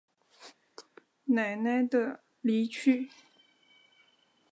奶奶的离去